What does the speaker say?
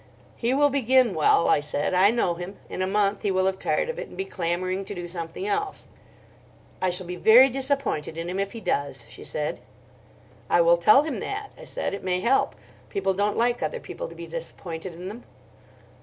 "He will begin well," I said. "I know him. In a month he will have tired of it, and be clamouring to do something else." "I shall be very disappointed in him if he does," she said. "I will tell him that," I said, "it may help. People don't like other people to be disappointed in them."